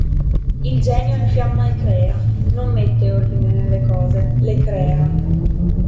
Il genio infiamma e crea: non mette ordine nelle cose, le crea!